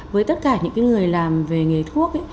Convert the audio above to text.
với tất cả những người làm về nghề thuốc